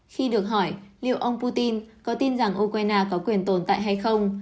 khi được hỏi liệu ông putin có tin rằng ukraine có quyền tồn tại hay không